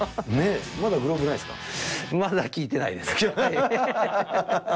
まだ聞いてないです。